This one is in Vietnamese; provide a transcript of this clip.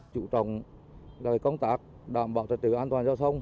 chủ trọng công tác đảm bảo trật tự an toàn giao thông